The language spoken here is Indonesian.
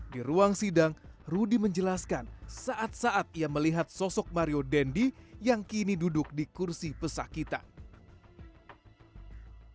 di ruang sidang rudy menjelaskan saat saat ia melihat sosok mario dendi yang kini duduk di kursi pesakitan